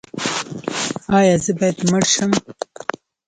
ایا زه باید مړ شم؟